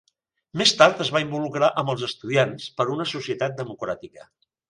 Més tard es va involucrar amb els Estudiants per a una Societat Democràtica.